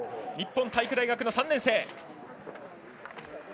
日本体育大学の３年生。